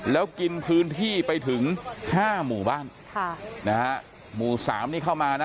แล้วกินพื้นที่ไปถึงห้าหมู่บ้านค่ะนะฮะหมู่สามนี่เข้ามานะ